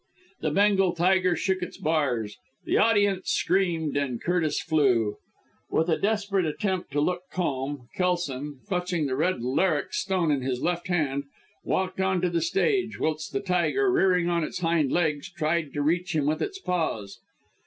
The Bengal tiger shook its bars the audience screamed, and Curtis flew. With a desperate attempt to look calm, Kelson, clutching the red laryx stone in his left hand, walked on to the stage, whilst the tiger, rearing on its hind legs tried to reach him with its paws.